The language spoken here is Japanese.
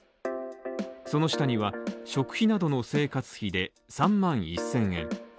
その下には食費などの生活費で３万１０００円